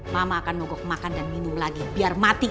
mama akan mogok makan dan minum lagi biar mati